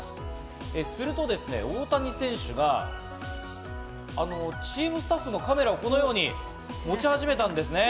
すると大谷選手が、チームスタッフのカメラをこのように持ち始めたんですね。